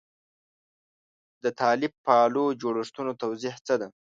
د طالب پالو جوړښتونو توضیح څه ده.